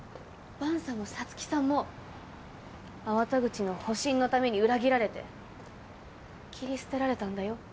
萬さんも五月さんも粟田口の保身のために裏切られて切り捨てられたんだよ。